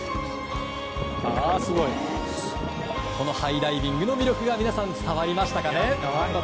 このハイダイビングの魅力皆さん、伝わりましたかね。